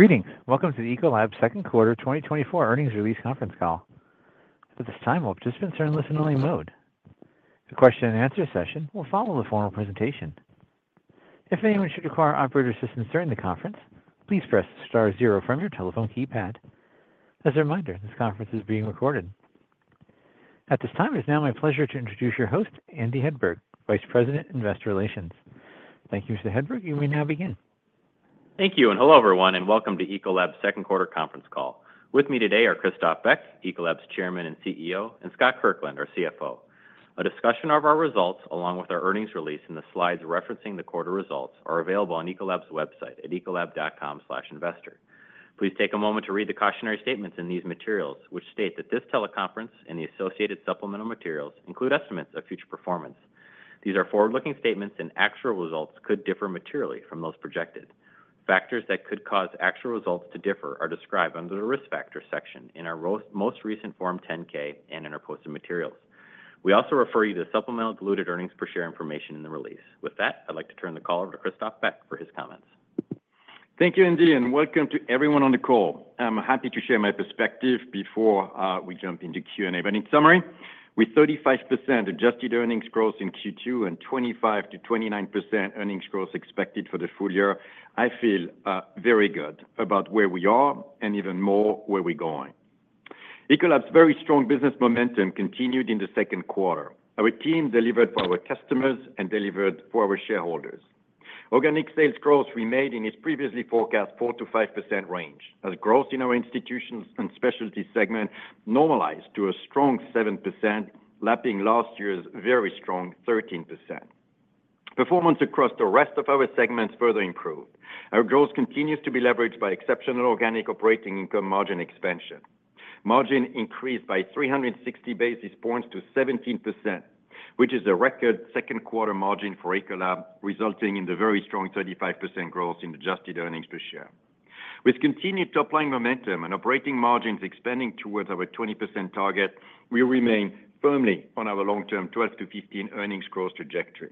Greetings! Welcome to the Ecolab second quarter 2024 earnings release conference call. At this time, all participants are in listen-only mode. The question and answer session will follow the formal presentation. If anyone should require operator assistance during the conference, please press star zero from your telephone keypad. As a reminder, this conference is being recorded. At this time, it's now my pleasure to introduce your host, Andy Hedberg, Vice President, Investor Relations. Thank you, Mr. Hedberg. You may now begin. Thank you, and hello, everyone, and welcome to Ecolab's second quarter conference call. With me today are Christophe Beck, Ecolab's Chairman and CEO, and Scott Kirkland, our CFO. A discussion of our results, along with our earnings release and the slides referencing the quarter results, are available on Ecolab's website at ecolab.com/investor. Please take a moment to read the cautionary statements in these materials, which state that this teleconference and the associated supplemental materials include estimates of future performance. These are forward-looking statements, and actual results could differ materially from those projected. Factors that could cause actual results to differ are described under the Risk Factors section in our most recent Form 10-K and in our posted materials. We also refer you to supplemental diluted earnings per share information in the release. With that, I'd like to turn the call over to Christophe Beck for his comments. Thank you, Andy, and welcome to everyone on the call. I'm happy to share my perspective before we jump into Q&A. But in summary, with 35% adjusted earnings growth in Q2 and 25%-29% earnings growth expected for the full year, I feel very good about where we are and even more where we're going. Ecolab's very strong business momentum continued in the second quarter. Our team delivered for our customers and delivered for our shareholders. Organic sales growth remained in its previously forecast 4%-5% range, as growth in our Institutional and Specialty segment normalized to a strong 7%, lapping last year's very strong 13%. Performance across the rest of our segments further improved. Our growth continues to be leveraged by exceptional organic operating income margin expansion. Margin increased by 360 basis points to 17%, which is a record second quarter margin for Ecolab, resulting in the very strong 35% growth in adjusted earnings per share. With continued top-line momentum and operating margins expanding towards our 20% target, we remain firmly on our long-term 12%-15% earnings growth trajectory.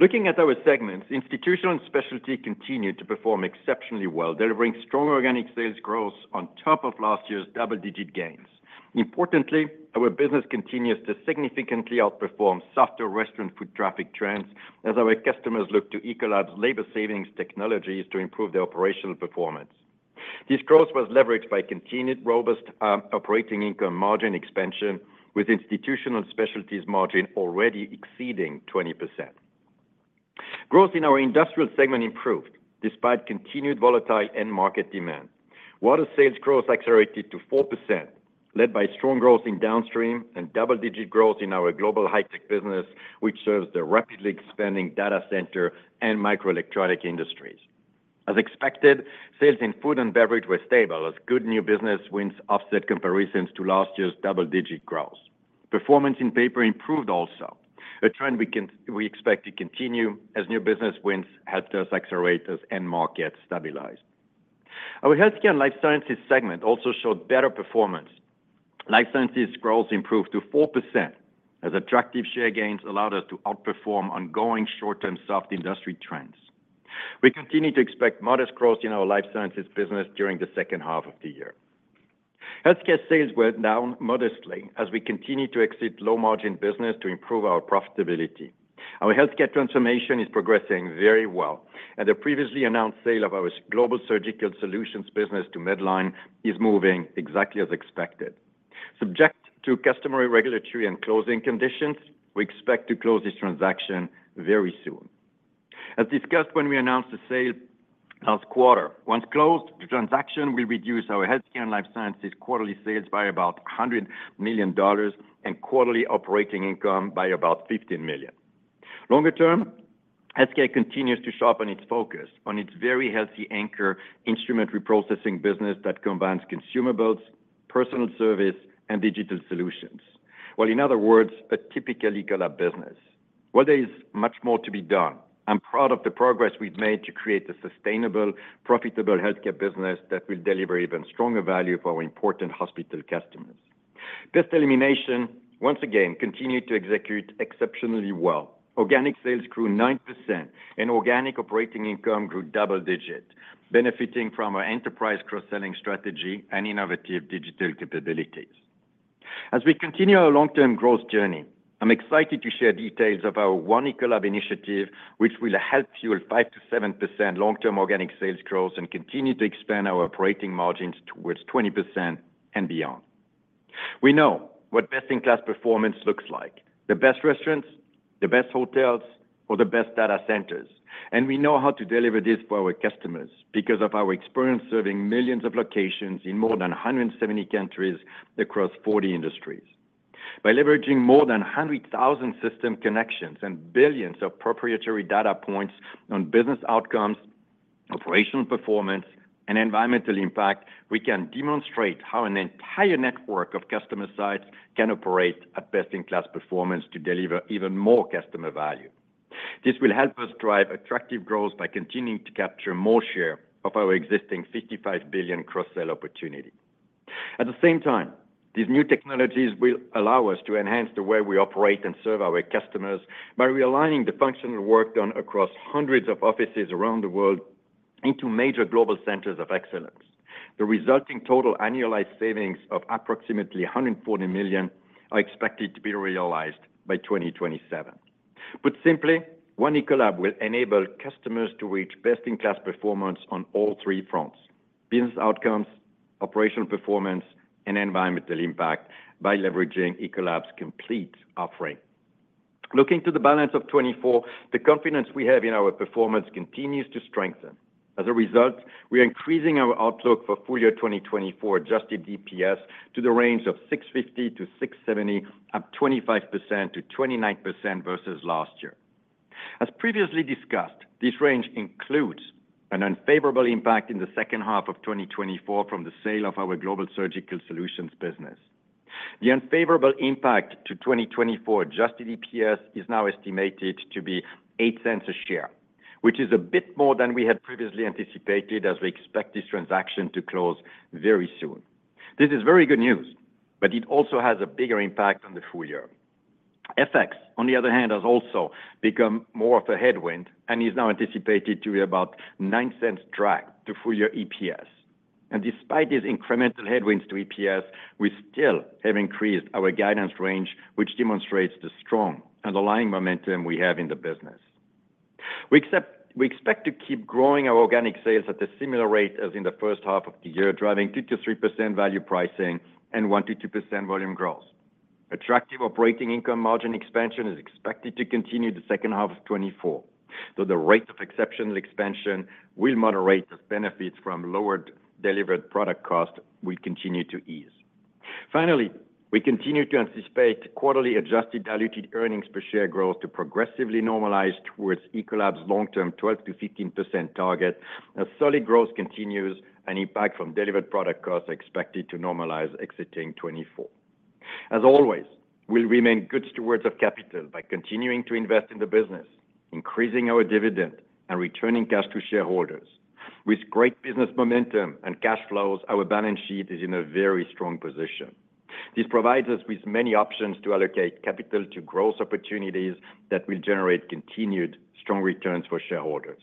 Looking at our segments, Institutional and Specialty continued to perform exceptionally well, delivering strong organic sales growth on top of last year's double-digit gains. Importantly, our business continues to significantly outperform softer restaurant foot traffic trends as our customers look to Ecolab's labor savings technologies to improve their operational performance. This growth was leveraged by continued robust operating income margin expansion, with Institutional and Specialty margin already exceeding 20%. Growth in our Industrial segment improved despite continued volatile end market demand. Water sales growth accelerated to 4%, led by strong growth in Downstream and double-digit growth in our Global High Tech business, which serves the rapidly expanding data center and microelectronic industries. As expected, sales in Food & Beverage were stable as good new business wins offset comparisons to last year's double-digit growth. Performance in Paper improved also, a trend we expect to continue as new business wins help us accelerate as end markets stabilize. Our Healthcare and Life Sciences segment also showed better performance. Life Sciences growth improved to 4%, as attractive share gains allowed us to outperform ongoing short-term soft industry trends. We continue to expect modest growth in our Life Sciences business during the second half of the year. Healthcare sales were down modestly as we continue to exit low-margin business to improve our profitability. Our Healthcare transformation is progressing very well, and the previously announced sale of our Global Surgical Solutions business to Medline is moving exactly as expected. Subject to customary regulatory and closing conditions, we expect to close this transaction very soon. As discussed when we announced the sale last quarter, once closed, the transaction will reduce our Healthcare and Life Sciences quarterly sales by about $100 million and quarterly operating income by about $15 million. Longer term, Healthcare continues to sharpen its focus on its very healthy anchor instrument reprocessing business that combines consumables, personal service, and digital solutions. Well, in other words, a typical Ecolab business. While there is much more to be done, I'm proud of the progress we've made to create a sustainable, profitable Healthcare business that will deliver even stronger value for our important hospital customers. Pest Elimination, once again, continued to execute exceptionally well. Organic sales grew 9%, and organic operating income grew double digit, benefiting from our enterprise cross-selling strategy and innovative digital capabilities. As we continue our long-term growth journey, I'm excited to share details of our One Ecolab initiative, which will help fuel 5%-7% long-term organic sales growth and continue to expand our operating margins towards 20% and beyond. We know what best-in-class performance looks like, the best restaurants, the best hotels, or the best data centers, and we know how to deliver this for our customers because of our experience serving millions of locations in more than 170 countries across 40 industries. By leveraging more than 100,000 system connections and billions of proprietary data points on business outcomes, operational performance, and environmental impact, we can demonstrate how an entire network of customer sites can operate at best-in-class performance to deliver even more customer value. This will help us drive attractive growth by continuing to capture more share of our existing $55 billion cross-sell opportunity. At the same time, these new technologies will allow us to enhance the way we operate and serve our customers by realigning the functional work done across hundreds of offices around the world into major global centers of excellence. The resulting total annualized savings of approximately $140 million are expected to be realized by 2027. Put simply, One Ecolab will enable customers to reach best-in-class performance on all three fronts: business outcomes, operational performance, and environmental impact by leveraging Ecolab's complete offering. Looking to the balance of 2024, the confidence we have in our performance continues to strengthen. As a result, we are increasing our outlook for full year 2024 adjusted EPS to the range of $6.50-$6.70, up 25%-29% versus last year. As previously discussed, this range includes an unfavorable impact in the second half of 2024 from the sale of our Global Surgical Solutions business. The unfavorable impact to 2024 adjusted EPS is now estimated to be $0.08 a share, which is a bit more than we had previously anticipated, as we expect this transaction to close very soon. This is very good news, but it also has a bigger impact on the full year. FX, on the other hand, has also become more of a headwind and is now anticipated to be about $0.09 drag to full-year EPS. Despite these incremental headwinds to EPS, we still have increased our guidance range, which demonstrates the strong underlying momentum we have in the business. We expect to keep growing our organic sales at a similar rate as in the first half of the year, driving 2%-3% value pricing and 1%-2% volume growth. Attractive operating income margin expansion is expected to continue in the second half of 2024, though the rate of exceptional expansion will moderate as benefits from lowered delivered product cost will continue to ease. Finally, we continue to anticipate quarterly adjusted diluted earnings per share growth to progressively normalize towards Ecolab's long-term 12%-15% target. As solid growth continues, an impact from delivered product costs are expected to normalize, exiting 2024. As always, we'll remain good stewards of capital by continuing to invest in the business, increasing our dividend, and returning cash to shareholders. With great business momentum and cash flows, our balance sheet is in a very strong position. This provides us with many options to allocate capital to growth opportunities that will generate continued strong returns for shareholders.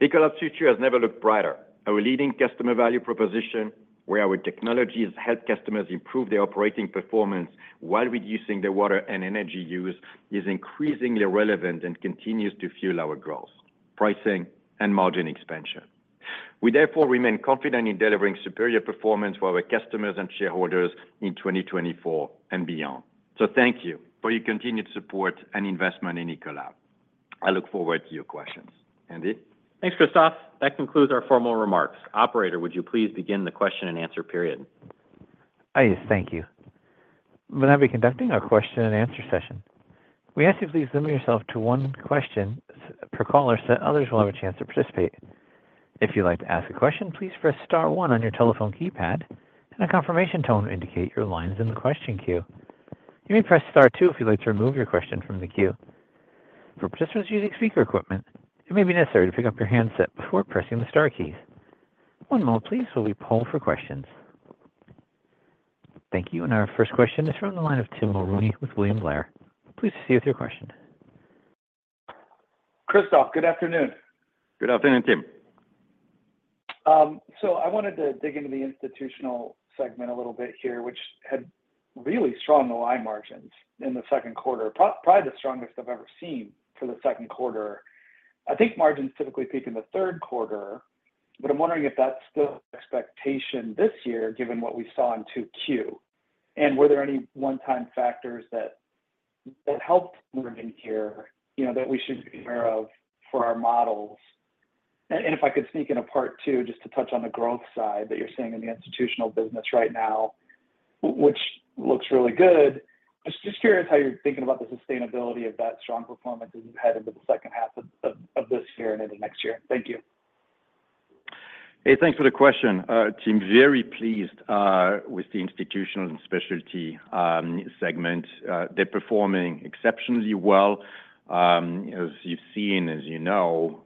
Ecolab's future has never looked brighter. Our leading customer value proposition, where our technologies help customers improve their operating performance while reducing their water and energy use, is increasingly relevant and continues to fuel our growth, pricing, and margin expansion. We therefore remain confident in delivering superior performance for our customers and shareholders in 2024 and beyond. Thank you for your continued support and investment in Ecolab. I look forward to your questions. Andy? Thanks, Christophe. That concludes our formal remarks. Operator, would you please begin the question and answer period? I thank you. We'll now be conducting our question and answer session. We ask you to please limit yourself to one question per caller, so others will have a chance to participate. If you'd like to ask a question, please press star one on your telephone keypad, and a confirmation tone will indicate your line is in the question queue. You may press star two if you'd like to remove your question from the queue. For participants using speaker equipment, it may be necessary to pick up your handset before pressing the star keys. One moment, please, while we poll for questions. Thank you. And our first question is from the line of Tim Mulrooney with William Blair. Please proceed with your question. Christophe, good afternoon. Good afternoon, Tim. So I wanted to dig into the Institutional segment a little bit here, which had really strong line margins in the second quarter, probably the strongest I've ever seen for the second quarter. I think margins typically peak in the third quarter, but I'm wondering if that's still the expectation this year, given what we saw in 2Q. And were there any one-time factors that helped moving here, you know, that we should be aware of for our models? And if I could sneak in a part two, just to touch on the growth side that you're seeing in the Institutional business right now, which looks really good. Just curious how you're thinking about the sustainability of that strong performance as you head into the second half of this year and into next year. Thank you. Hey, thanks for the question, Tim. Very pleased with the Institutional and Specialty segment. They're performing exceptionally well, as you've seen, as you know.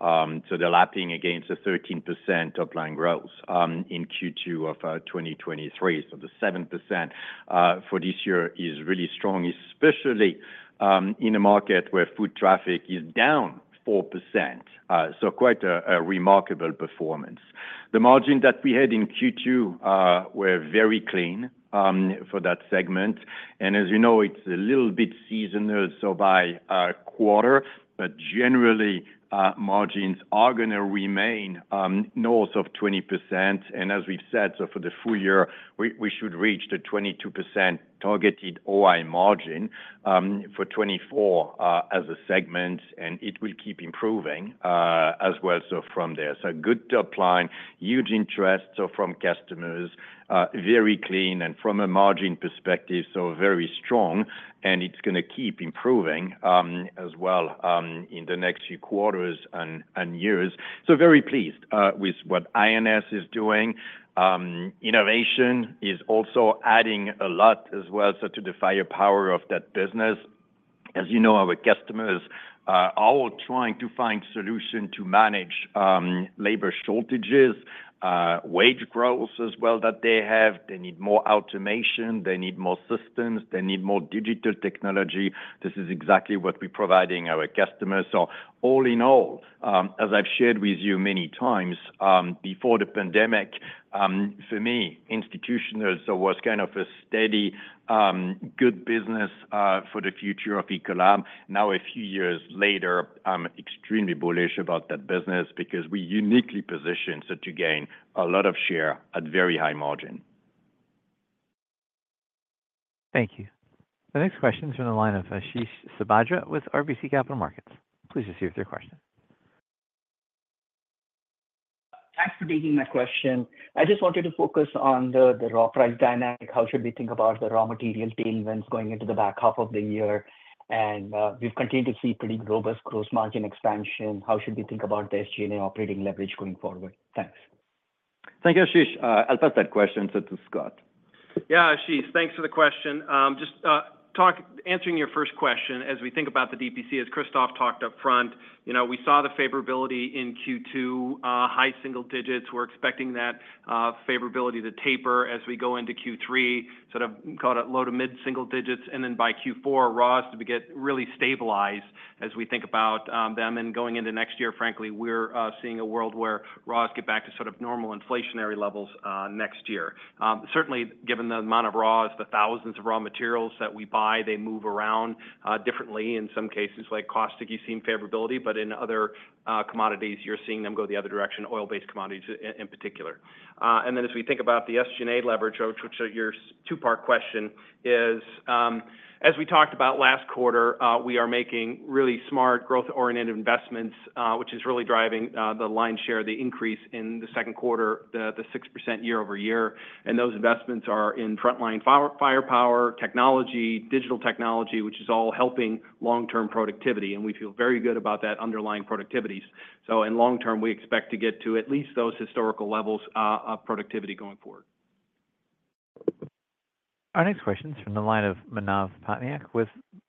So they're lapping against a 13% uplift growth in Q2 of 2023. So the 7% for this year is really strong, especially in a market where foot traffic is down 4%. So quite a remarkable performance. The margin that we had in Q2 were very clean for that segment, and as you know, it's a little bit seasonal, so by quarter. But generally, margins are gonna remain north of 20%. As we've said, for the full year, we should reach the 22% targeted OI margin for 2024 as a segment, and it will keep improving as well from there. Good upside, huge interest from customers, very clean, and from a margin perspective, very strong, and it's gonna keep improving as well in the next few quarters and years. So very pleased with what I&S is doing. Innovation is also adding a lot as well to the firepower of that business. As you know, our customers are all trying to find solution to manage labor shortages, wage growth as well that they have. They need more automation, they need more systems, they need more digital technology. This is exactly what we're providing our customers. So all in all, as I've shared with you many times, before the pandemic, for me, Institutional, so was kind of a steady, good business, for the future of Ecolab. Now, a few years later, I'm extremely bullish about that business because we're uniquely positioned so to gain a lot of share at very high margin. Thank you. The next question is from the line of Ashish Sabadra with RBC Capital Markets. Please proceed with your question. Thanks for taking my question. I just wanted to focus on the, the raw price dynamic. How should we think about the raw material tailwinds going into the back half of the year? And, we've continued to see pretty robust gross margin expansion, how should we think about the SG&A operating leverage going forward? Thanks. Thank you, Ashish. I'll pass that question to Scott. Yeah, Ashish, thanks for the question. Just answering your first question, as we think about the DPC, as Christophe talked up front, you know, we saw the favorability in Q2, high single digits. We're expecting that favorability to taper as we go into Q3, sort of call it low to mid single digits, and then by Q4, raws to get really stabilized as we think about them. And going into next year, frankly, we're seeing a world where raws get back to sort of normal inflationary levels next year. Certainly, given the amount of raws, the thousands of raw materials that we buy, they move around differently. In some cases, like caustic, you see favorability, but in other commodities, you're seeing them go the other direction, oil-based commodities in particular. And then as we think about the SG&A leverage, which, which are your two-part question, is, as we talked about last quarter, we are making really smart, growth-oriented investments, which is really driving, the line share, the increase in the second quarter, the, the 6% year-over-year. And those investments are in frontline firepower, technology, digital technology, which is all helping long-term productivity, and we feel very good about that underlying productivities. So in long term, we expect to get to at least those historical levels of productivity going forward. Our next question is from the line of Manav Patnaik with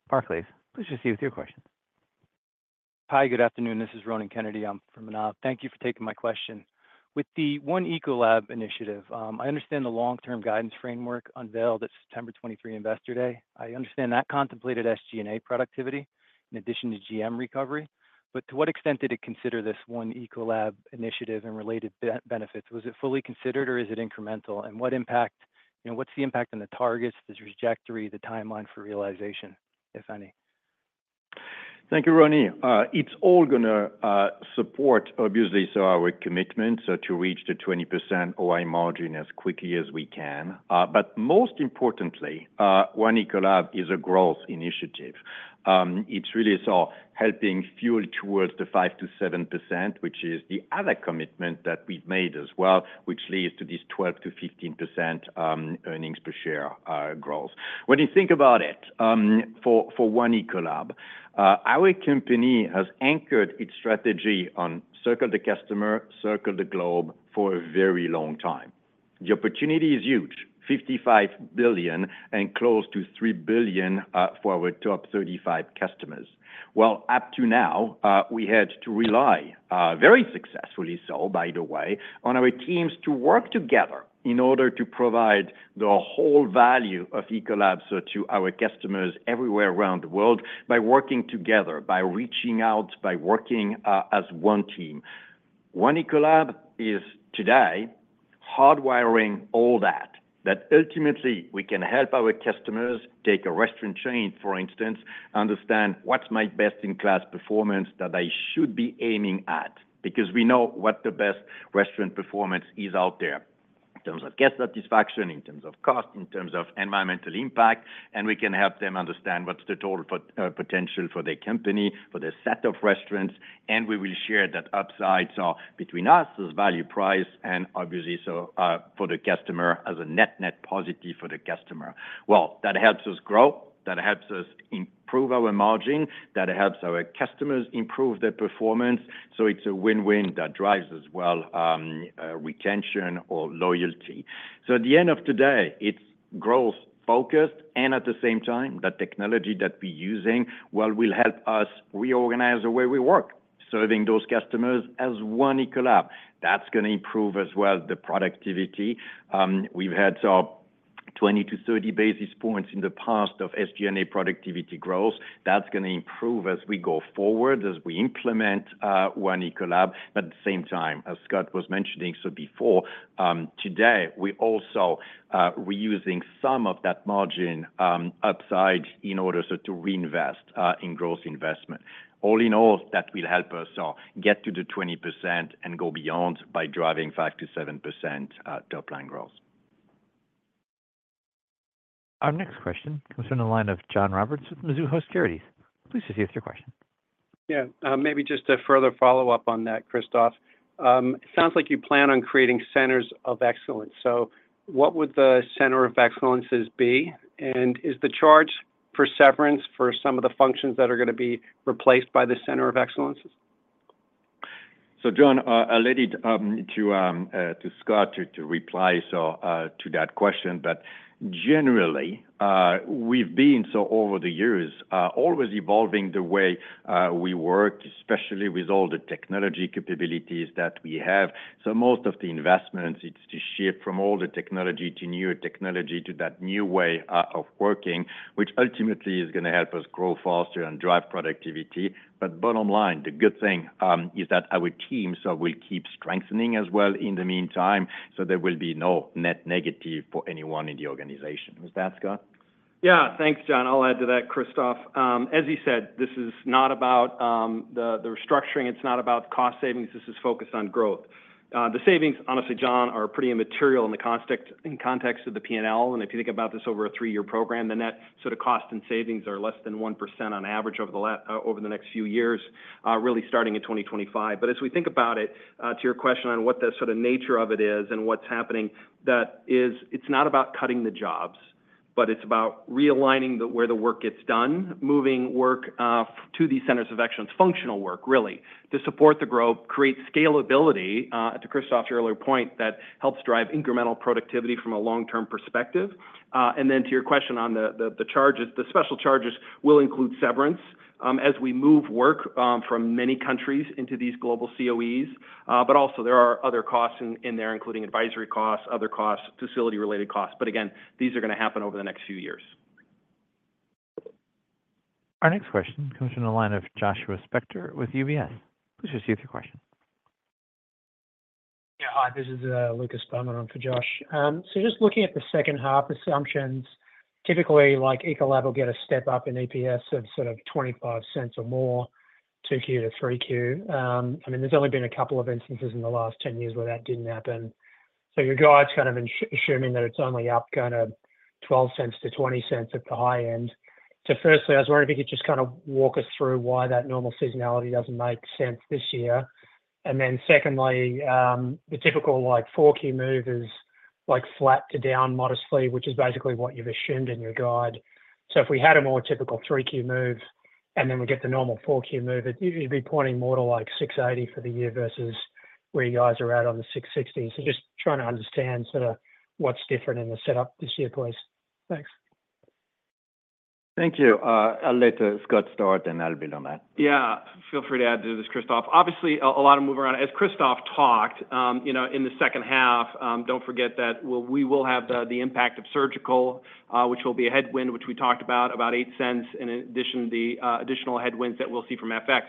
Barclays. Please proceed with your question. Hi, good afternoon. This is Ronan Kennedy. I'm on for Manav. Thank you for taking my question. With the One Ecolab initiative, I understand the long-term guidance framework unveiled at September 2023 Investor Day. I understand that contemplated SG&A productivity in addition to GM recovery, but to what extent did it consider this One Ecolab initiative and related benefits? Was it fully considered, or is it incremental? And what impact, you know, what's the impact on the targets, this trajectory, the timeline for realization, if any? Thank you, Ronnie. It's all gonna support, obviously, so our commitment, so to reach the 20% OI margin as quickly as we can. But most importantly, One Ecolab is a growth initiative. It's really so helping fuel towards the 5%-7%, which is the other commitment that we've made as well, which leads to this 12%-15% earnings per share growth. When you think about it, for One Ecolab, our company has anchored its strategy on Circle the Customer, Circle the Globe for a very long time. The opportunity is huge, $55 billion and close to $3 billion for our top 35 customers. Well, up to now, we had to rely, very successfully so, by the way, on our teams to work together in order to provide the whole value of Ecolab, so to our customers everywhere around the world, by working together, by reaching out, by working as one team. One Ecolab is, today, hardwiring all that, that ultimately, we can help our customers, take a restaurant chain, for instance, understand what's my best-in-class performance that I should be aiming at? Because we know what the best restaurant performance is out there, in terms of guest satisfaction, in terms of cost, in terms of environmental impact, and we can help them understand what's the total potential for their company, for their set of restaurants, and we will share that upside, so between us, as value price, and obviously, so, for the customer as a net-net positive for the customer. Well, that helps us grow, that helps us improve our margin, that helps our customers improve their performance. So it's a win-win that drives as well, retention or loyalty. So at the end of today, it's growth-focused, and at the same time, the technology that we're using, well, will help us reorganize the way we work, serving those customers as One Ecolab. That's gonna improve as well, the productivity. We've had so 20-30 basis points in the past of SG&A productivity growth. That's gonna improve as we go forward, as we implement, One Ecolab. But at the same time, as Scott was mentioning, so before, today, we also, reusing some of that margin, upside in order so to reinvest, in growth investment. All in all, that will help us, get to the 20% and go beyond by driving 5%-7%, top-line growth. Our next question comes from the line of John Roberts with Mizuho Securities. Please proceed with your question. Yeah, maybe just a further follow-up on that, Christophe. Sounds like you plan on creating centers of excellence. So what would the center of excellences be? And is the charge for severance for some of the functions that are gonna be replaced by the center of excellences? So John, I'll let it to Scott to reply to that question. But generally, we've been over the years always evolving the way we work, especially with all the technology capabilities that we have. So most of the investments, it's to shift from older technology to newer technology, to that new way of working, which ultimately is gonna help us grow faster and drive productivity. But bottom line, the good thing is that our team will keep strengthening as well in the meantime, so there will be no net negative for anyone in the organization. Was that Scott? Yeah, thanks, John. I'll add to that, Christophe. As you said, this is not about the restructuring, it's not about cost savings, this is focused on growth. The savings, honestly, John, are pretty immaterial in the context of the P&L. And if you think about this over a three-year program, the net sort of cost and savings are less than 1% on average over the next few years, really starting in 2025. But as we think about it, to your question on what the sort of nature of it is and what's happening, that is, it's not about cutting the jobs, but it's about realigning where the work gets done, moving work to these centers of excellence. Functional work, really, to support the growth, create scalability, to Christophe's earlier point, that helps drive incremental productivity from a long-term perspective. And then to your question on the charges, the special charges will include severance, as we move work, from many countries into these global COEs. But also there are other costs in there, including advisory costs, other costs, facility-related costs. But again, these are gonna happen over the next few years. Our next question comes from the line of Joshua Spector with UBS. Please receive your question. Yeah, hi, this is Lucas Beaumont on for Josh. So just looking at the second half assumptions, typically, like Ecolab will get a step up in EPS of sort of $0.25 or more, 2Q to 3Q. I mean, there's only been a couple of instances in the last 10 years where that didn't happen. So your guide's kind of assuming that it's only up kind of $0.12 to $0.20 at the high end. So firstly, I was wondering if you could just kind of walk us through why that normal seasonality doesn't make sense this year. And then secondly, the typical, like, 4Q move is, like, flat to down modestly, which is basically what you've assumed in your guide. So if we had a more typical 3Q move, and then we get the normal 4Q move, you'd be pointing more to, like, $6.80 for the year versus where you guys are at on the $6.60. So just trying to understand sort of what's different in the setup this year, please. Thanks. Thank you. I'll let Scott start, and I'll build on that. Yeah, feel free to add to this, Christophe. Obviously, a lot of move around. As Christophe talked, you know, in the second half, don't forget that we will have the impact of surgical, which will be a headwind, which we talked about, about $0.08, in addition to the additional headwinds that we'll see from FX.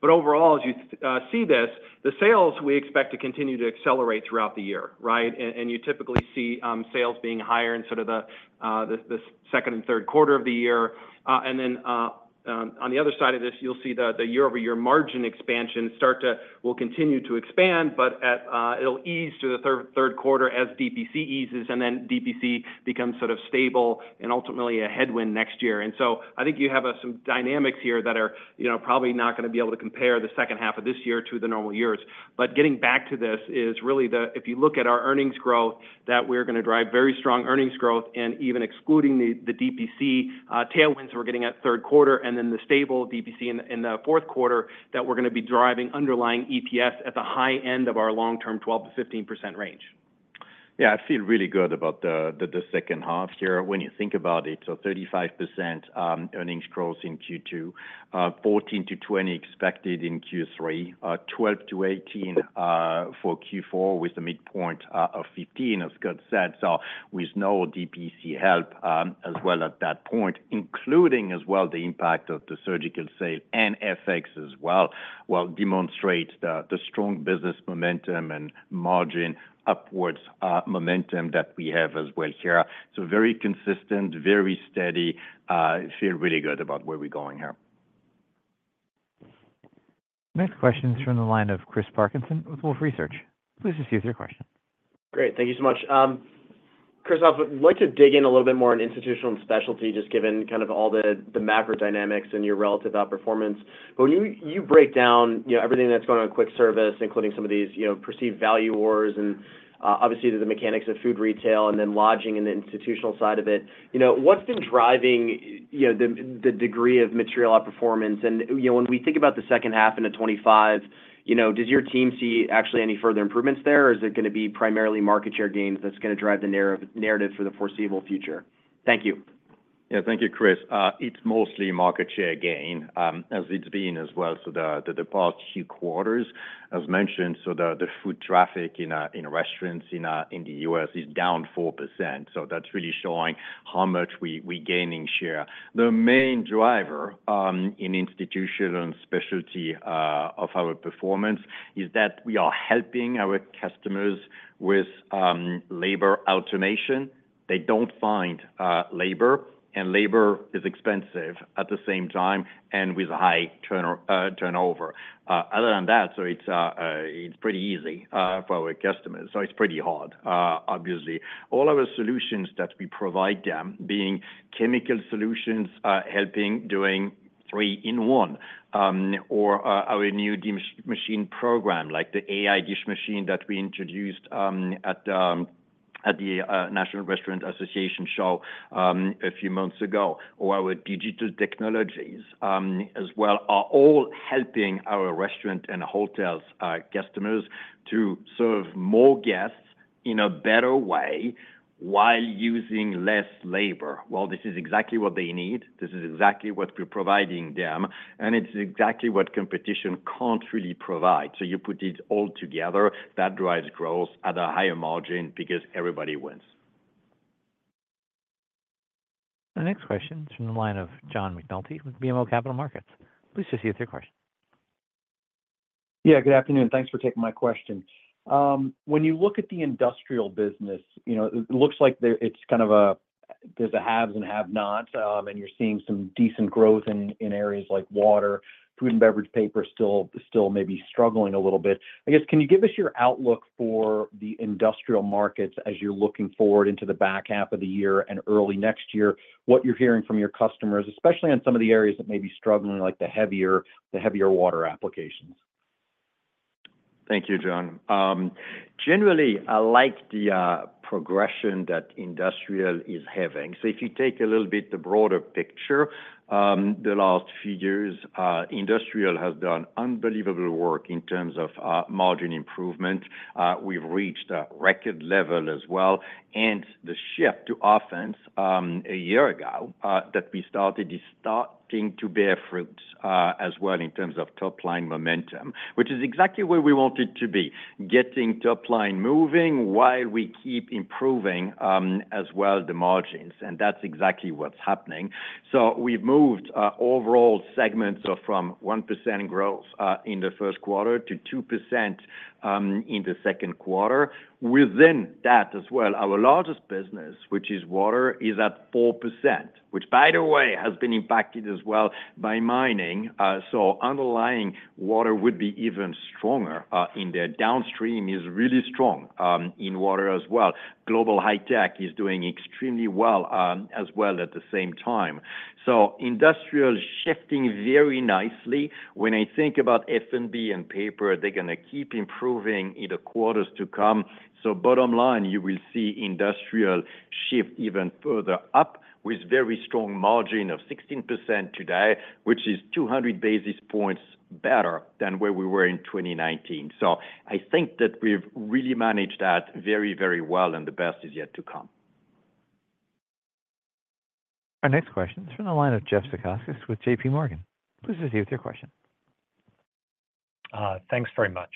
But overall, as you see this, the sales we expect to continue to accelerate throughout the year, right? And you typically see sales being higher in sort of the second and third quarter of the year. And then, on the other side of this, you'll see the year-over-year margin expansion will continue to expand, but it'll ease to the third quarter as DPC eases, and then DPC becomes sort of stable and ultimately a headwind next year. And so I think you have some dynamics here that are, you know, probably not gonna be able to compare the second half of this year to the normal years. But getting back to this is really the, if you look at our earnings growth, that we're gonna drive very strong earnings growth, and even excluding the DPC tailwinds we're getting at third quarter and then the stable DPC in the fourth quarter, that we're gonna be driving underlying EPS at the high end of our long-term 12%-15% range. Yeah, I feel really good about the second half here. When you think about it, so 35% earnings growth in Q2, 14%-20% expected in Q3, 12%-18% for Q4, with the midpoint of 15%, as Scott said, so with no DPC help as well at that point, including as well the impact of the surgical sale and FX as well, will demonstrate the strong business momentum and margin upwards momentum that we have as well here. So very consistent, very steady, feel really good about where we're going here. Next question is from the line of Chris Parkinson with Wolfe Research. Please just use your question. Great. Thank you so much. Christophe, we'd like to dig in a little bit more on Institutional and Specialty, just given kind of all the, the macro dynamics and your relative outperformance. But when you break down, you know, everything that's going on in quick service, including some of these, you know, perceived value wars and, obviously, the mechanics of food retail and then lodging in the Institutional side of it, you know, what's been driving, you know, the degree of material outperformance? And, you know, when we think about the second half into 2025, you know, does your team see actually any further improvements there, or is it gonna be primarily market share gains that's gonna drive the narrative for the foreseeable future? Thank you. Yeah. Thank you, Chris. It's mostly market share gain, as it's been as well, so the past few quarters. As mentioned, so the food traffic in restaurants in the U.S. is down 4%, so that's really showing how much we gaining share. The main driver in Institutional and Specialty of our performance is that we are helping our customers with labor automation. They don't find labor, and labor is expensive at the same time, and with a high turnover. Other than that, so it's pretty easy for our customers, so it's pretty hard, obviously. All our solutions that we provide them, being chemical solutions, helping doing three-in-one, or our new dish machine program, like the AI dish machine that we introduced, at— at the National Restaurant Association Show a few months ago. Our digital technologies, as well, are all helping our restaurant and hotels customers to serve more guests in a better way while using less labor. Well, this is exactly what they need, this is exactly what we're providing them, and it's exactly what competition can't really provide. So you put it all together, that drives growth at a higher margin because everybody wins. The next question is from the line of John McNulty with BMO Capital Markets. Please proceed with your question. Yeah, good afternoon. Thanks for taking my question. When you look at the Industrial business, you know, it looks like there—it's kind of a, there's a haves and have-nots, and you're seeing some decent growth in areas like Water. Food & Beverage, Paper still may be struggling a little bit. I guess, can you give us your outlook for the industrial markets as you're looking forward into the back half of the year and early next year, what you're hearing from your customers, especially on some of the areas that may be struggling, like the heavier water applications? Thank you, John. Generally, I like the progression that Industrial is having. So if you take a little bit the broader picture, the last few years, Industrial has done unbelievable work in terms of margin improvement. We've reached a record level as well, and the shift to offense, a year ago, that we started, is starting to bear fruit, as well, in terms of top line momentum, which is exactly where we want it to be. Getting top line moving while we keep improving, as well, the margins, and that's exactly what's happening. So we've moved, overall segments from 1% growth, in the first quarter to 2%, in the second quarter. Within that, as well, our largest business, which is Water, is at 4%, which, by the way, has been impacted as well by mining. So underlying Water would be even stronger, and the Downstream is really strong, in Water as well. Global High Tech is doing extremely well, as well, at the same time. So Industrial is shifting very nicely. When I think about F&B and Paper, they're gonna keep improving in the quarters to come. So bottom line, you will seeIndustrial shift even further up, with very strong margin of 16% today, which is 200 basis points better than where we were in 2019. So I think that we've really managed that very, very well, and the best is yet to come. Our next question is from the line of Jeff Zekauskas, JP Morgan. Please proceed with your question. Thanks very much.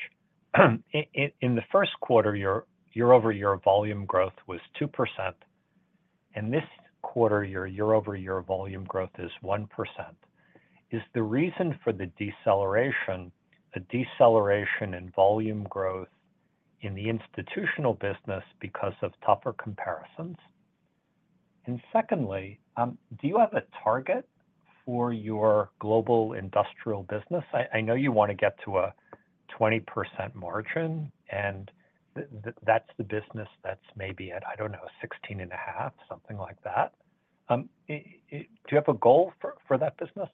In the first quarter, your year-over-year volume growth was 2%, and this quarter, your year-over-year volume growth is 1%. Is the reason for the deceleration in volume growth in the Institutional business because of tougher comparisons? And secondly, do you have a target for your Global Industrial business? I know you want to get to a 20% margin, and that's the business that's maybe at, I don't know, 16.5%, something like that. Do you have a goal for that business?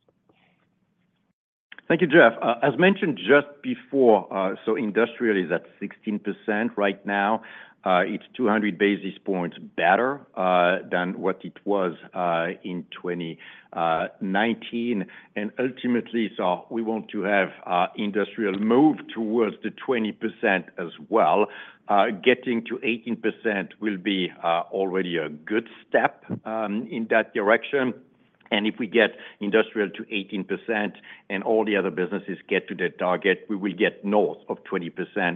Thank you, Jeff. As mentioned just before, so Industrial is at 16% right now. It's 200 basis points better than what it was in 2019. And ultimately, so we want to have our Industrial move towards the 20% as well. Getting to 18% will be already a good step in that direction. And if we get Industrial to 18% and all the other businesses get to their target, we will get north of 20%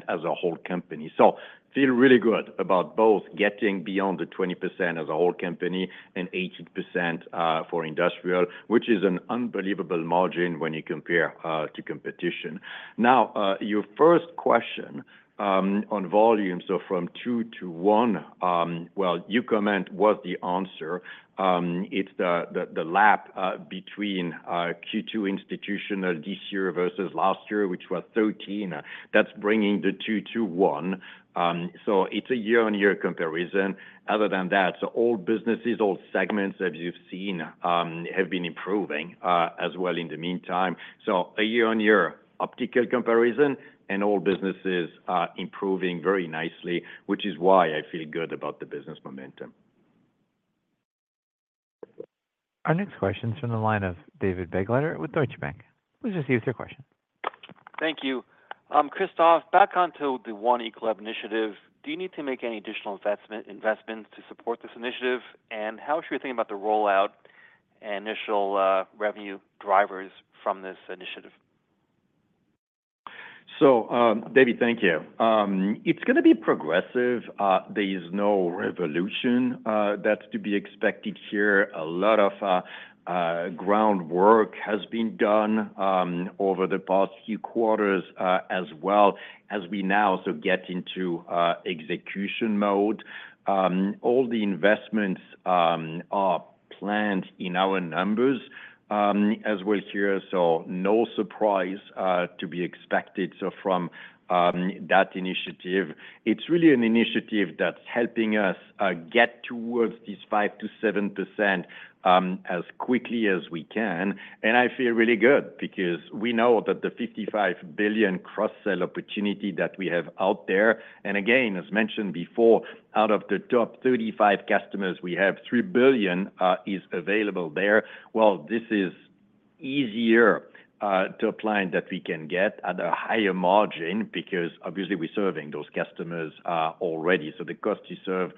as a whole company. So feel really good about both getting beyond the 20% as a whole company and 18% for Industrial, which is an unbelievable margin when you compare to competition. Now, your first question on volume, so from 2% to 1%, well, your comment was the answer. It's the gap between Q2 Institutional this year versus last year, which was 13%. That's bringing the 2% to 1%, so it's a year-on-year comparison. Other than that, all businesses, all segments that you've seen, have been improving as well in the meantime. So a year-on-year overall comparison and all businesses are improving very nicely, which is why I feel good about the business momentum. Our next question is from the line of David Begleiter with Deutsche Bank. Please proceed with your question. Thank you. Christophe, back onto the One Ecolab Initiative, do you need to make any additional investment, investments to support this initiative? And how should we think about the rollout and initial revenue drivers from this initiative? So, David, thank you. It's gonna be progressive. There is no revolution, that's to be expected here. A lot of groundwork has been done over the past few quarters, as well as we now get into execution mode. All the investments are planned in our numbers, as well here, so no surprise to be expected. So from that initiative, it's really an initiative that's helping us get towards this 5%-7% as quickly as we can. And I feel really good because we know that the $55 billion cross-sell opportunity that we have out there, and again, as mentioned before, out of the top 35 customers, we have $3 billion is available there. Well, this is easier to apply that we can get at a higher margin because obviously we're serving those customers already, so the cost to serve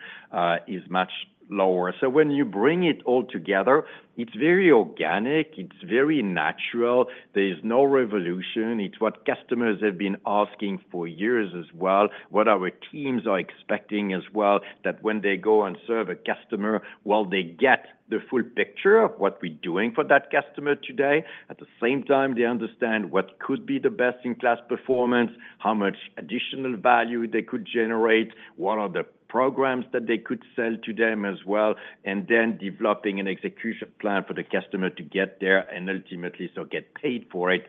is much lower. So when you bring it all together, it's very organic, it's very natural. There's no revolution. It's what customers have been asking for years as well, what our teams are expecting as well, that when they go and serve a customer, well, they get the full picture of what we're doing for that customer today. At the same time, they understand what could be the best-in-class performance, how much additional value they could generate, what are the programs that they could sell to them as well, and then developing an execution plan for the customer to get there and ultimately, so get paid for it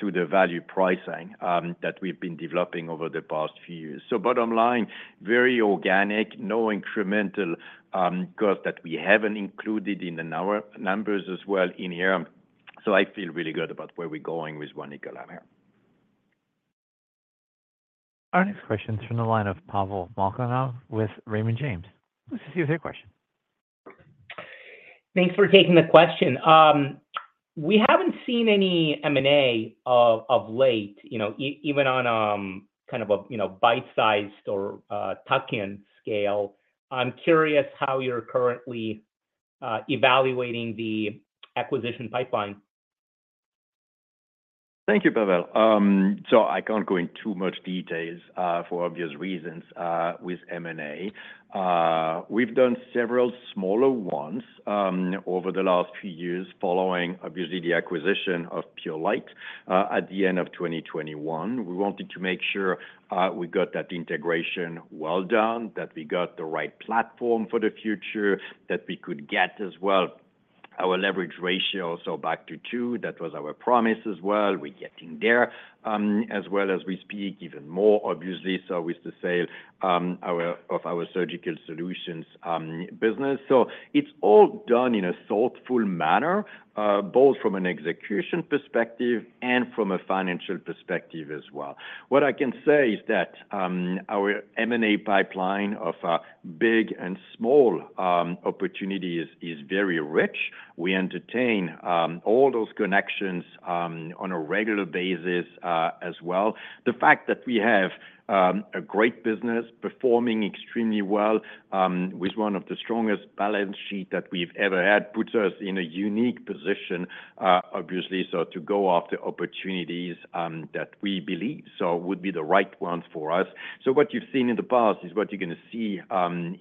through the value pricing that we've been developing over the past few years. So bottom line, very organic, no incremental cost that we haven't included in the numbers as well in here. So I feel really good about where we're going with One Ecolab here. Our next question is from the line of Pavel Molchanov with Raymond James. Please proceed with your question. Thanks for taking the question. We haven't seen any M&A of late, you know, even on kind of a, you know, bite-sized or tuck-in scale. I'm curious how you're currently evaluating the acquisition pipeline. Thank you, Pavel. So I can't go in too much details, for obvious reasons, with M&A. We've done several smaller ones, over the last few years, following, obviously, the acquisition of Purolite, at the end of 2021. We wanted to make sure, we got that integration well done, that we got the right platform for the future, that we could get as well our leverage ratio. So back to 2x, that was our promise as well. We're getting there, as well as we speak, even more, obviously, so with the sale, our-- of our surgical solutions, business. So it's all done in a thoughtful manner, both from an execution perspective and from a financial perspective as well. What I can say is that, our M&A pipeline of, big and small, opportunities is very rich. We entertain all those connections on a regular basis as well. The fact that we have a great business performing extremely well with one of the strongest balance sheet that we've ever had puts us in a unique position, obviously, so to go after opportunities that we believe so would be the right ones for us. So what you've seen in the past is what you're gonna see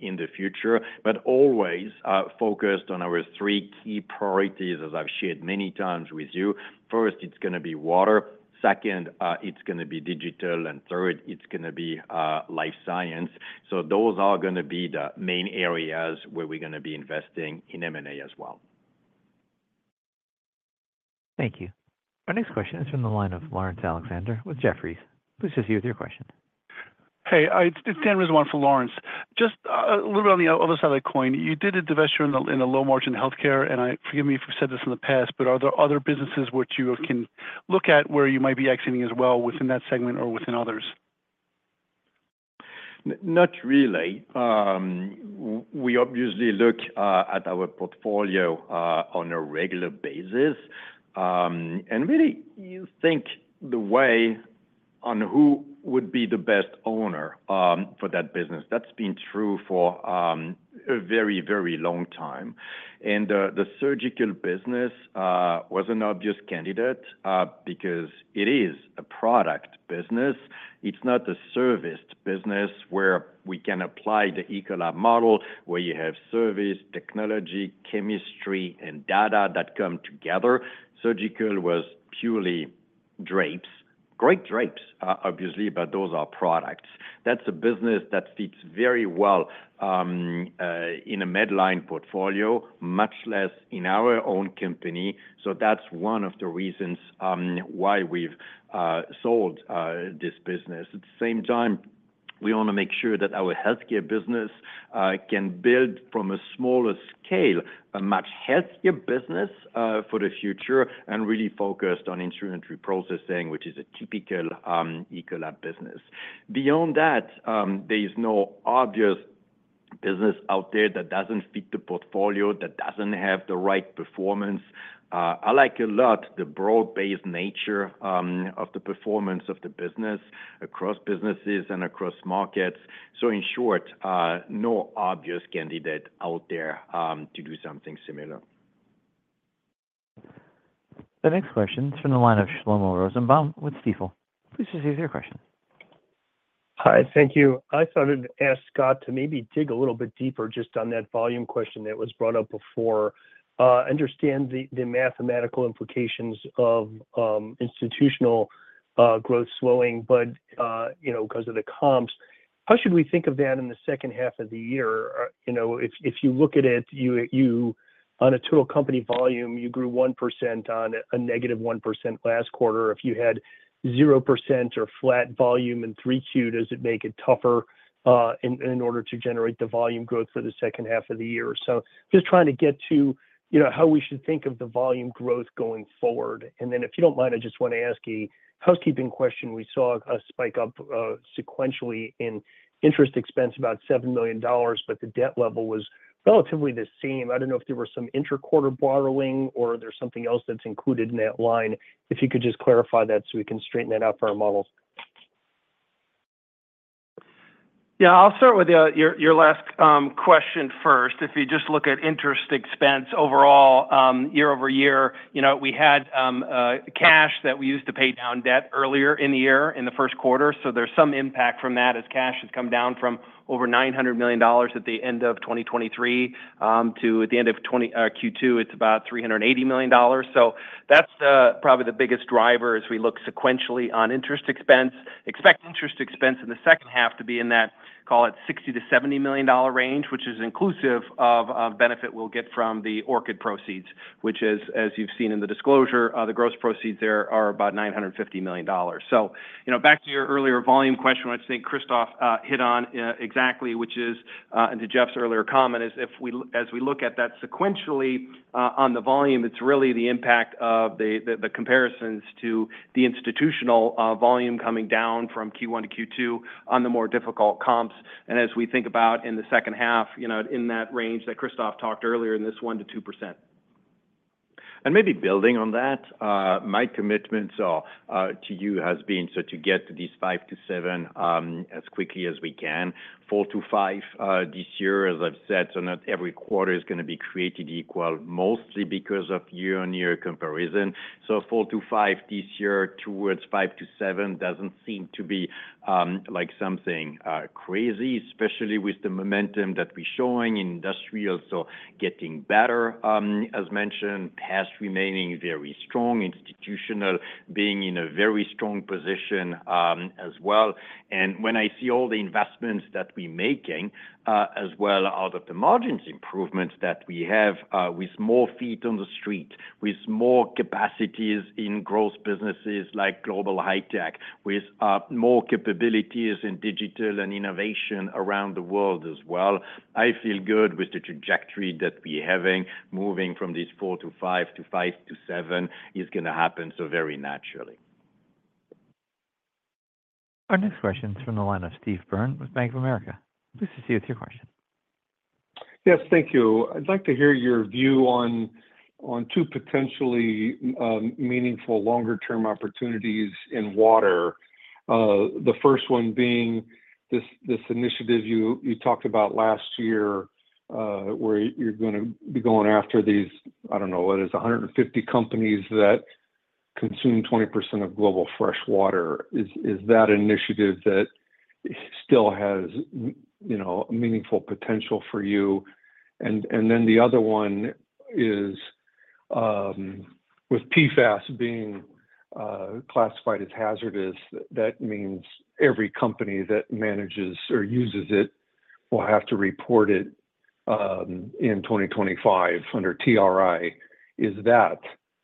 in the future, but always focused on our three key priorities, as I've shared many times with you. First, it's gonna be Water. Second, it's gonna be Digital, and third, it's gonna be Life Sciences. So those are gonna be the main areas where we're gonna be investing in M&A as well. Thank you. Our next question is from the line of Lawrence Alexander with Jefferies. Please proceed with your question. Hey, it's Dan Rizzo on for Lawrence. Just a little bit on the other side of the coin, you did a divestiture in the low margin Healthcare, and forgive me if you've said this in the past, but are there other businesses which you can look at where you might be exiting as well within that segment or within others? Not really. We obviously look at our portfolio on a regular basis and really think the way on who would be the best owner for that business. That's been true for a very, very long time. And the Surgical business was an obvious candidate because it is a product business. It's not a serviced business where we can apply the Ecolab model, where you have service, technology, chemistry, and data that come together. Surgical was purely drapes. Great drapes, obviously, but those are products. That's a business that fits very well in a Medline portfolio, much less in our own company. So that's one of the reasons why we've sold this business. At the same time, we wanna make sure that our Healthcare business can build from a smaller scale, a much healthier business for the future, and really focused on instrument reprocessing, which is a typical Ecolab business. Beyond that, there is no obvious business out there that doesn't fit the portfolio, that doesn't have the right performance. I like a lot the broad-based nature of the performance of the business across businesses and across markets. So in short, no obvious candidate out there to do something similar. The next question is from the line of Shlomo Rosenbaum with Stifel. Please proceed with your question. Hi, thank you. I thought I'd ask Scott to maybe dig a little bit deeper just on that volume question that was brought up before. Understand the mathematical implications of Institutional growth slowing, but you know, 'cause of the comps, how should we think of that in the second half of the year? You know, if you look at it, you on a total company volume, you grew 1% on a -1% last quarter. If you had 0% or flat volume in 3Q, does it make it tougher in order to generate the volume growth for the second half of the year? So just trying to get to, you know, how we should think of the volume growth going forward. And then if you don't mind, I just want to ask a housekeeping question. We saw a spike up sequentially in interest expense about $7 million, but the debt level was relatively the same. I don't know if there were some inter-quarter borrowing or there's something else that's included in that line? If you could just clarify that so we can straighten that out for our models. Yeah, I'll start with your last question first. If you just look at interest expense overall, year-over-year, you know, we had cash that we used to pay down debt earlier in the year, in the first quarter. So there's some impact from that as cash has come down from over $900 million at the end of 2023, to at the end of Q2, it's about $380 million. So that's probably the biggest driver as we look sequentially on interest expense. Expect interest expense in the second half to be in that, call it $60 million-$70 million range, which is inclusive of benefit we'll get from the Surgical proceeds, which is, as you've seen in the disclosure, the gross proceeds there are about $950 million. So, you know, back to your earlier volume question, which I think Christophe hit on exactly, which is, and to Jeff's earlier comment, is if we look at that sequentially, on the volume, it's really the impact of the comparisons to the Institutional volume coming down from Q1 to Q2 on the more difficult comps. And as we think about in the second half, you know, in that range that Christophe talked earlier in this 1%-2%. And maybe building on that, my commitments are to you has been, so to get to these 5%-7% as quickly as we can. 4%-5% this year, as I've said, so not every quarter is gonna be created equal, mostly because of year-on-year comparison. So 4%-5% this year, towards 5%-7%, doesn't seem to be like something crazy, especially with the momentum that we're showing in Industrial. So getting better, as mentioned, Pest remaining very strong, Institutional being in a very strong position, as well. When I see all the investments that we're making, as well out of the margins improvements that we have, with more feet on the street, with more capacities in growth businesses like Global High Tech, with, more capabilities in digital and innovation around the world as well, I feel good with the trajectory that we're having. Moving from this 4%-5% to 5%-7% is gonna happen so very naturally. Our next question is from the line of Steve Byrne with Bank of America. Please proceed with your question. Yes, thank you. I'd like to hear your view on two potentially meaningful longer term opportunities in Water. The first one being this initiative you talked about last year, where you're gonna be going after these, I don't know, what is it? 150 companies that consume 20% of global fresh water. Is that an initiative that still has you know, meaningful potential for you? And then the other one is with PFAS being classified as hazardous, that means every company that manages or uses it will have to report it in 2025 under TRI. Is that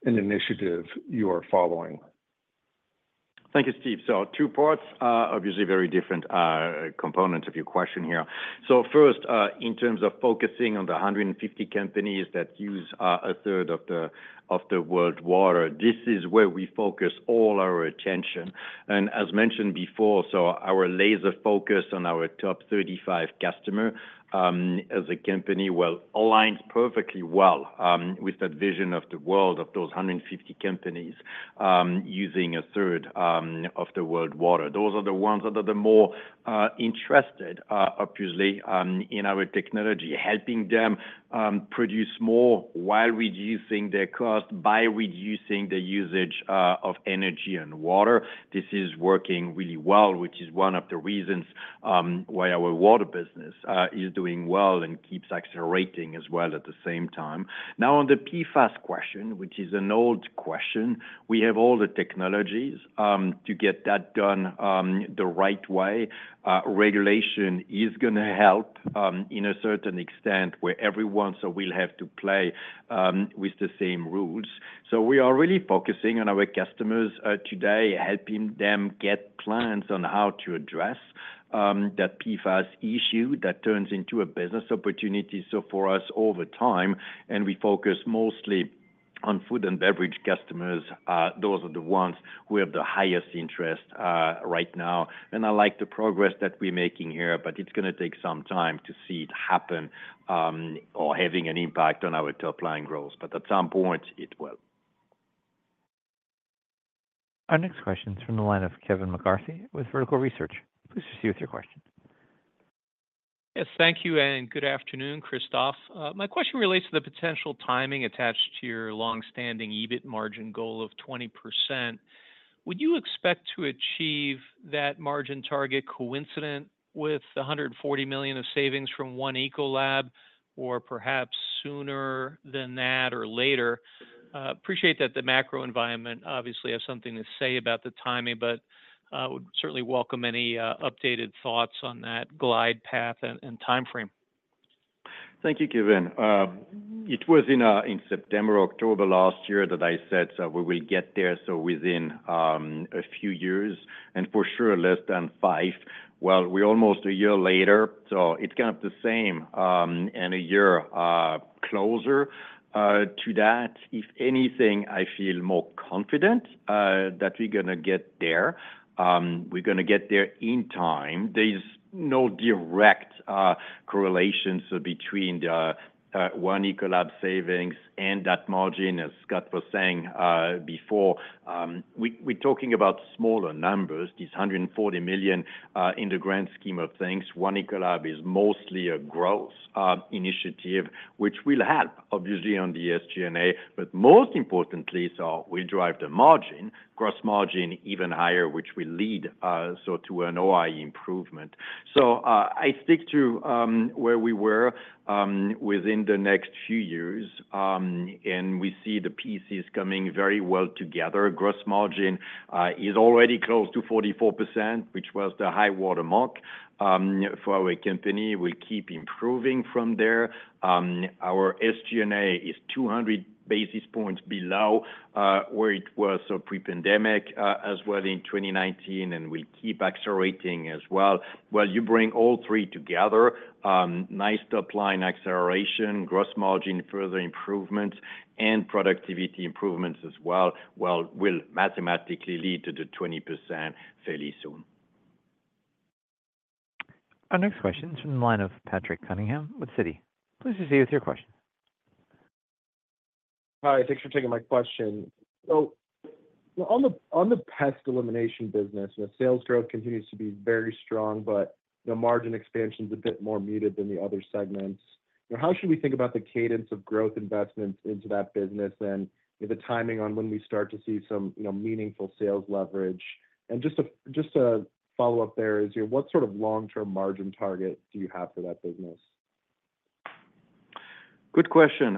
an initiative you are following? Thank you, Steve. So two parts, obviously very different components of your question here. So first, in terms of focusing on the 150 companies that use a third of the world's water, this is where we focus all our attention. And as mentioned before, so our laser focus on our top 35 customer, as a company, well, aligns perfectly well with that vision of those 150 companies using a third of the world's water. Those are the ones that are the more interested, obviously, in our technology, helping them produce more while reducing their cost, by reducing the usage of energy and water. This is working really well, which is one of the reasons why our Water business is doing well and keeps accelerating as well at the same time. Now, on the PFAS question, which is an old question, we have all the technologies to get that done the right way. Regulation is gonna help in a certain extent, where everyone so we'll have to play with the same rules. So we are really focusing on our customers today, helping them get plans on how to address that PFAS issue that turns into a business opportunity, so for us over time, and we focus mostly on Food & Beverage customers. Those are the ones who have the highest interest right now. I like the progress that we're making here, but it's gonna take some time to see it happen, or having an impact on our top line growth. At some point, it will. Our next question is from the line of Kevin McCarthy with Vertical Research. Please proceed with your question. Yes, thank you, and good afternoon, Christophe. My question relates to the potential timing attached to your long-standing EBIT margin goal of 20%. Would you expect to achieve that margin target coincident with the $140 million of savings from One Ecolab, or perhaps sooner than that or later? Appreciate that the macro environment obviously has something to say about the timing, but would certainly welcome any updated thoughts on that glide path and time frame. Thank you, Kevin. It was in September or October last year that I said that we will get there, so within a few years, and for sure, less than five. Well, we're almost a year later, so it's kind of the same, and a year closer to that. If anything, I feel more confident that we're gonna get there. We're gonna get there in time. There's no direct correlation between the One Ecolab savings and that margin, as Scott was saying before. We're talking about smaller numbers, this $140 million in the grand scheme of things. One Ecolab is mostly a growth initiative, which will help, obviously, on the SG&A, but most importantly, so we drive the margin, gross margin even higher, which will lead us to an OI improvement. So, I stick to where we were within the next few years, and we see the pieces coming very well together. Gross margin is already close to 44%, which was the high-water mark for our company, will keep improving from there. Our SG&A is 200 basis points below where it was, so pre-pandemic, as well in 2019, and will keep accelerating as well. Well, you bring all three together, nice top-line acceleration, gross margin, further improvements, and productivity improvements as well, will mathematically lead to the 20% fairly soon. Our next question is from the line of Patrick Cunningham with Citi. Please proceed with your question. Hi, thanks for taking my question. So on the Pest Elimination business, the sales growth continues to be very strong, but the margin expansion is a bit more muted than the other segments. How should we think about the cadence of growth investments into that business and the timing on when we start to see some, you know, meaningful sales leverage? And just a follow-up there, is what sort of long-term margin target do you have for that business? Good question,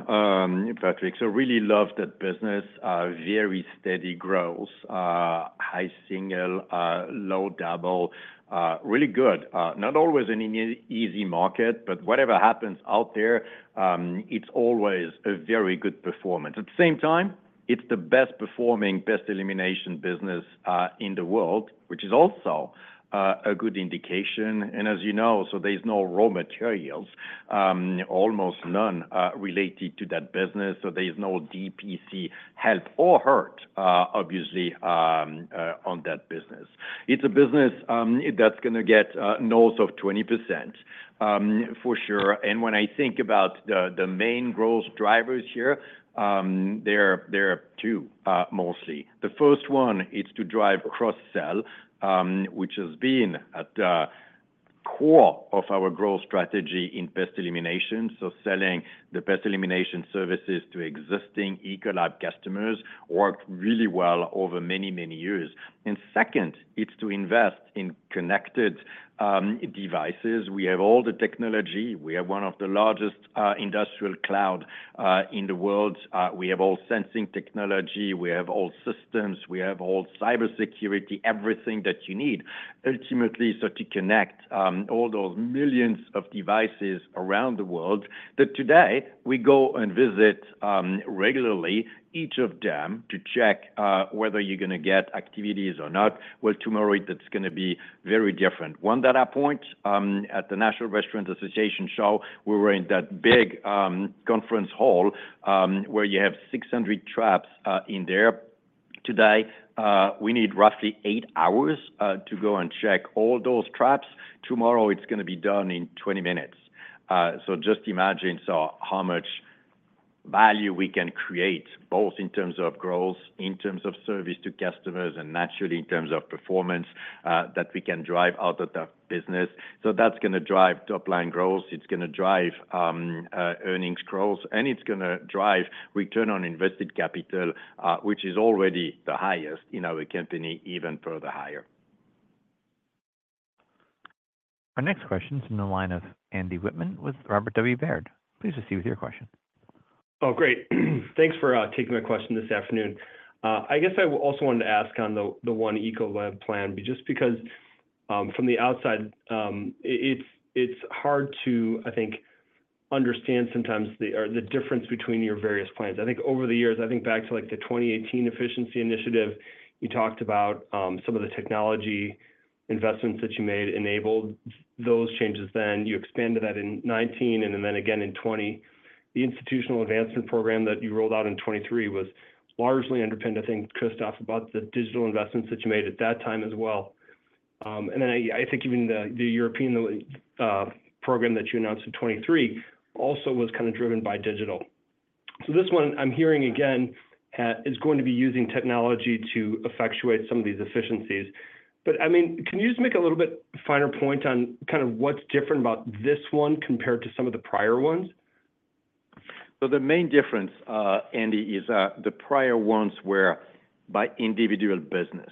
Patrick. So, really love that business. Very steady growth, high single, low double. Really good. Not always an easy market, but whatever happens out there, it's always a very good performance. At the same time, it's the best performing, Pest Elimination business in the world, which is also a good indication. And as you know, there's no raw materials, almost none, related to that business, so there's no DPC help or hurt, obviously, on that business. It's a business that's gonna get north of 20%, for sure. And when I think about the main growth drivers here, there are two, mostly. The first one is to drive cross-sell, which has been at the core of our growth strategy in Pest Elimination. So selling the Pest Elimination services to existing Ecolab customers worked really well over many, many years. And second, it's to invest in connected, devices. We have all the technology. We are one of the largest, industrial cloud, in the world. We have all sensing technology, we have all systems, we have all cybersecurity, everything that you need, ultimately, so to connect, all those millions of devices around the world, that today we go and visit, regularly each of them to check, whether you're gonna get activities or not. Well, tomorrow, that's gonna be very different. One data point, at the National Restaurant Association Show, we were in that big, conference hall, where you have 600 traps, in there. Today, we need roughly eight hours, to go and check all those traps. Tomorrow, it's gonna be done in 20 minutes. So just imagine, so how much value we can create, both in terms of growth, in terms of service to customers, and naturally, in terms of performance, that we can drive out of that business. So that's gonna drive top-line growth, it's gonna drive, earnings growth, and it's gonna drive return on invested capital, which is already the highest in our company, even further higher. Our next question is from the line of Andy Wittmann with Robert W. Baird. Please proceed with your question. Oh, great. Thanks for taking my question this afternoon. I guess I also wanted to ask on the One Ecolab plan, just because from the outside, it's hard to, I think, understand sometimes the difference between your various plans. I think over the years, I think back to, like, the 2018 efficiency initiative, you talked about some of the technology investments that you made enabled those changes then. You expanded that in 2019 and then again in 2020. The Institutional Advancement Program that you rolled out in 2023 was largely underpinned, I think, Christophe, about the digital investments that you made at that time as well. And then I think even the European program that you announced in 2023 also was kind of driven by digital. So this one I'm hearing again is going to be using technology to effectuate some of these efficiencies. But, I mean, can you just make a little bit finer point on kind of what's different about this one compared to some of the prior ones? So the main difference, Andy, is, the prior ones were by individual business.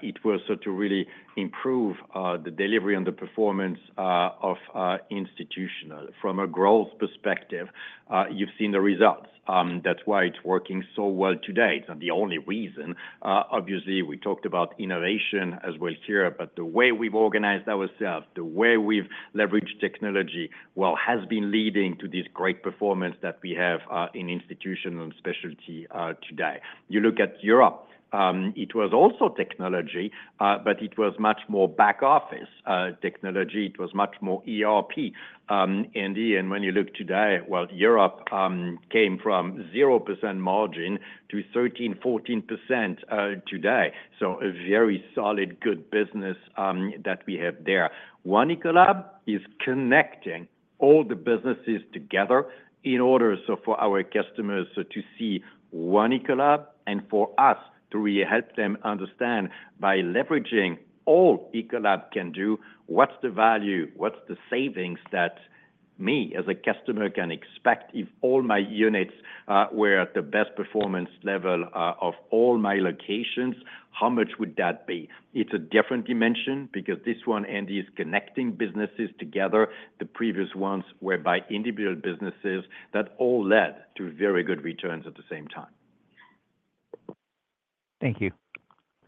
It was so to really improve, the delivery and the performance, of, Institutional. From a growth perspective, you've seen the results. That's why it's working so well today. It's not the only reason. Obviously, we talked about innovation as well here, but the way we've organized ourselves, the way we've leveraged technology, well, has been leading to this great performance that we have, in Institutional and Specialty, today. You look at Europe, it was also technology, but it was much more back office, technology. It was much more ERP, Andy, and when you look today, well, Europe, came from 0% margin to 13%-14%, today. So a very solid, good business, that we have there. One Ecolab is connecting all the businesses together in order so for our customers to see One Ecolab, and for us to really help them understand, by leveraging all Ecolab can do, what's the value, what's the savings that me, as a customer, can expect if all my units were at the best performance level of all my locations, how much would that be? It's a different dimension because this one, Andy, is connecting businesses together. The previous ones were by individual businesses. That all led to very good returns at the same time. Thank you.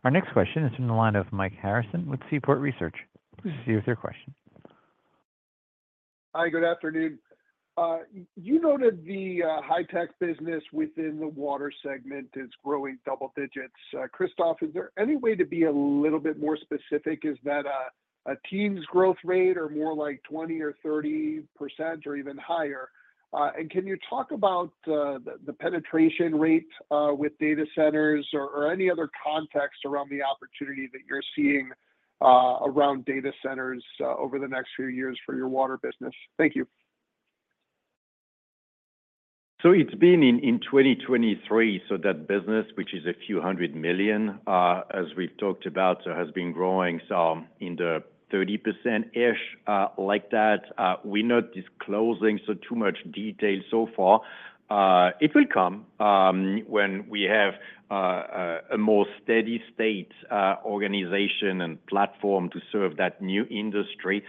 Our next question is from the line of Mike Harrison with Seaport Research. Please proceed with your question. Hi, good afternoon. You noted the High Tech business within the Water segment is growing double digits. Christophe, is there any way to be a little bit more specific? Is that a teens growth rate or more like 20% or 30% or even higher? And can you talk about the penetration rate with data centers or any other context around the opportunity that you're seeing around data centers over the next few years for your Water business? Thank you. So it's been in 2023, so that business, which is a few hundred million, as we've talked about, so has been growing, so in the 30%-ish, like that. We're not disclosing so too much detail so far. It will come, when we have, a more steady state, organization and platform to serve that new industry,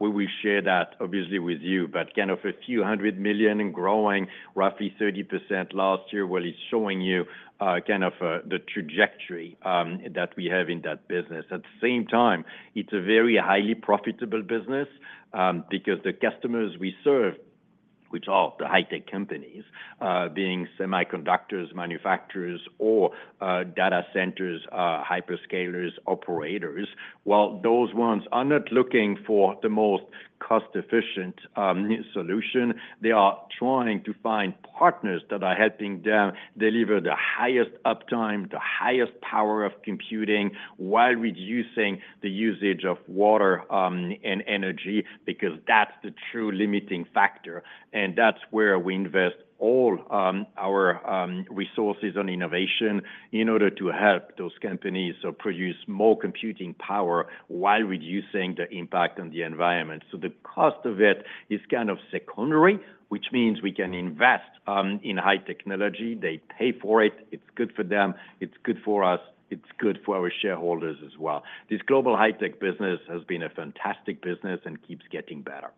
we will share that, obviously, with you. But kind of a few hundred million and growing roughly 30% last year, well, it's showing you, kind of, the trajectory, that we have in that business. At the same time, it's a very highly profitable business, because the customers we serve, which are the high tech companies, being semiconductors, manufacturers or data centers, hyperscalers, operators, while those ones are not looking for the most cost-efficient solution, they are trying to find partners that are helping them deliver the highest uptime, the highest power of computing, while reducing the usage of water and energy, because that's the true limiting factor, and that's where we invest all our resources on innovation in order to help those companies produce more computing power while reducing the impact on the environment. So the cost of it is kind of secondary, which means we can invest in high technology. They pay for it. It's good for them, it's good for us, it's good for our shareholders as well. This Global High Tech business has been a fantastic business and keeps getting better.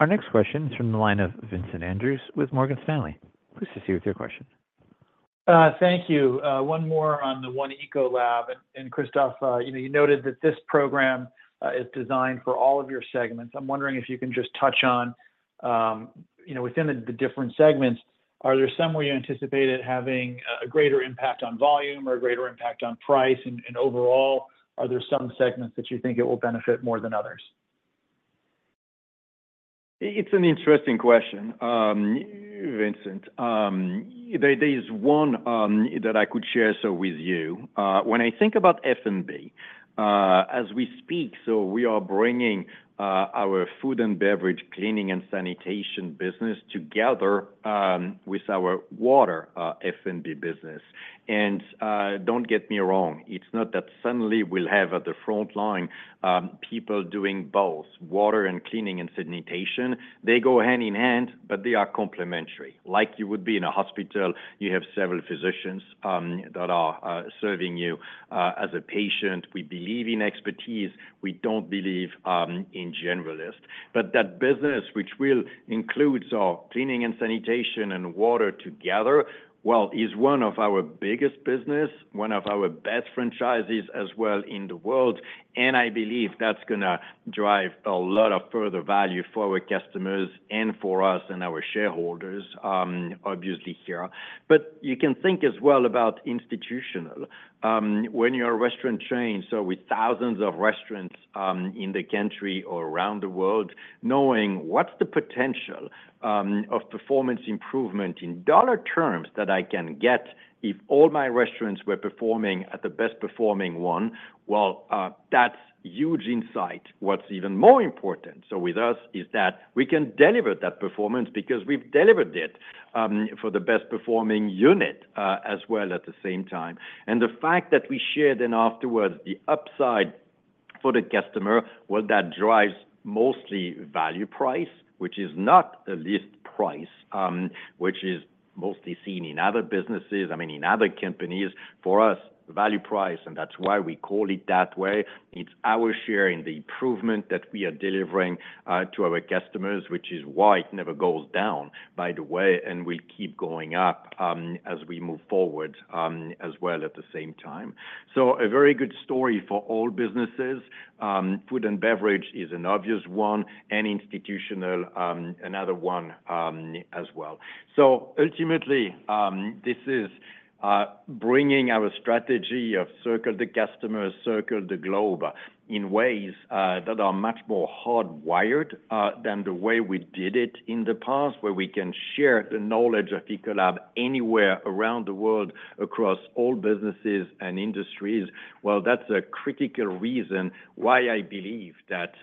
Our next question is from the line of Vincent Andrews with Morgan Stanley. Please proceed with your question. Thank you. One more on the One Ecolab, and, and Christophe, you know, you noted that this program is designed for all of your segments. I'm wondering if you can just touch on, you know, within the, the different segments, are there some where you anticipate it having a, a greater impact on volume or a greater impact on price? And, and overall, are there some segments that you think it will benefit more than others? It's an interesting question, Vincent. There is one that I could share so with you. When I think about F&B, as we speak, so we are bringing our Food & Beverage Cleaning and Sanitation business together with our Water, F&B business. And don't get me wrong, it's not that suddenly we'll have at the front line people doing both water and cleaning and sanitation. They go hand in hand, but they are complementary. Like you would be in a hospital, you have several physicians that are serving you as a patient. We believe in expertise. We don't believe in generalist. But that business, which will includes our Cleaning and Sanitation and Water together, well, is one of our biggest business, one of our best franchises as well in the world, and I believe that's gonna drive a lot of further value for our customers and for us and our shareholders, obviously here. But you can think as well about Institutional. When you're a restaurant chain, so with thousands of restaurants, in the country or around the world, knowing what's the potential, of performance improvement in dollar terms that I can get if all my restaurants were performing at the best performing one, well, that's huge insight. What's even more important, so with us, is that we can deliver that performance because we've delivered it, for the best performing unit, as well at the same time. And the fact that we share then afterwards the upside for the customer, well, that drives mostly value price, which is not the least price, which is mostly seen in other businesses, I mean, in other companies. For us, value price, and that's why we call it that way, it's our share in the improvement that we are delivering to our customers, which is why it never goes down, by the way, and will keep going up, as we move forward, as well at the same time. So a very good story for all businesses. Food & Beverage is an obvious one, and Institutional, another one, as well. So ultimately, this is bringing our strategy of Circle the Customer, Circle the Globe in ways that are much more hardwired than the way we did it in the past, where we can share the knowledge of Ecolab anywhere around the world, across all businesses and industries. Well, that's a critical reason why I believe that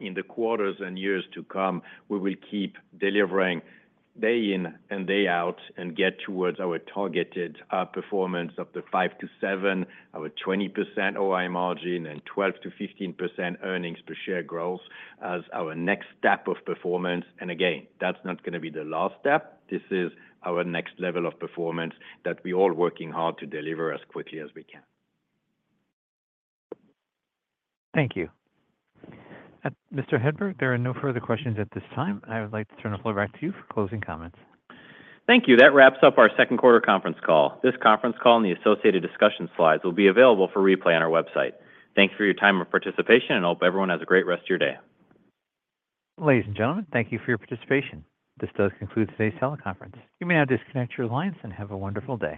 in the quarters and years to come, we will keep delivering day in and day out and get towards our targeted performance of the 5%-7%, our 20% OI margin, and 12%-15% earnings per share growth as our next step of performance. And again, that's not gonna be the last step. This is our next level of performance that we're all working hard to deliver as quickly as we can. Thank you. Mr. Hedberg, there are no further questions at this time. I would like to turn the floor back to you for closing comments. Thank you. That wraps up our second quarter conference call. This conference call and the associated discussion slides will be available for replay on our website. Thank you for your time and participation, and I hope everyone has a great rest of your day. Ladies and gentlemen, thank you for your participation. This does conclude today's teleconference. You may now disconnect your lines, and have a wonderful day.